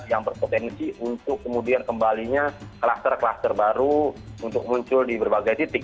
yang berpotensi untuk kemudian kembalinya kluster kluster baru untuk muncul di berbagai titik